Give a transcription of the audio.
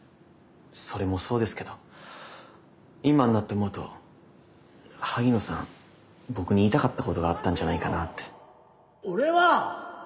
それもそうですけど今になって思うと萩野さん僕に言いたかったことがあったんじゃないかなって。俺は！俺は！